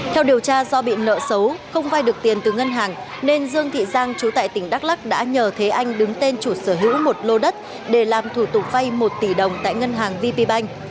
theo điều tra do bị nợ xấu không vay được tiền từ ngân hàng nên dương thị giang chú tại tỉnh đắk lắc đã nhờ thế anh đứng tên chủ sở hữu một lô đất để làm thủ tục vay một tỷ đồng tại ngân hàng vp banh